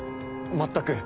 全く。